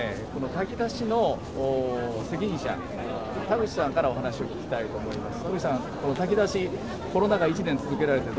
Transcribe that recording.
炊き出しの責任者田口さんからお話を聞きたいと思います。